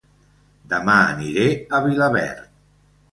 Dema aniré a Vilaverd